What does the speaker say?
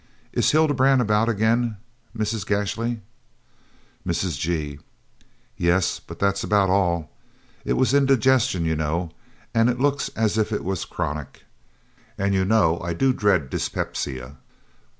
Is Hildebrand about again, Mrs. Gashly?" Mrs. G. "Yes, but that's about all. It was indigestion, you know, and it looks as if it was chronic. And you know I do dread dyspepsia.